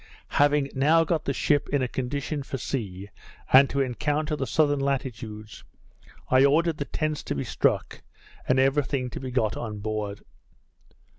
Having now got the ship in a condition for sea, and to encounter the southern latitudes, I ordered the tents to be struck, and every thing to be got on board.